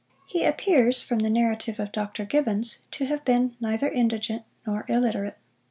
He appears, from the narrative of Dr. Gibbons, to have been neither indigent nor illiterate.